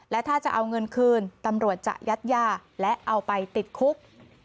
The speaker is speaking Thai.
และถ้าจะเอาเงินคืนตำรวจจะยัดยาและเอาไปติดคุก